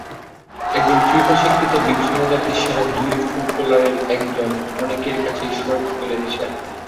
একজন ফিফা-স্বীকৃত বিংশ শতাব্দীর সেরা দুই ফুটবলারের একজন, অনেকের কাছে সর্বকালের সেরা।